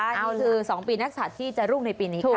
นี่คือ๒ปีนักศัตริย์ที่จะรุ่งในปีนี้ค่ะ